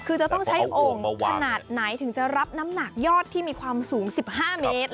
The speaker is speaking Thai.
คือจะต้องใช้โอ่งขนาดไหนถึงจะรับน้ำหนักยอดที่มีความสูง๑๕เมตร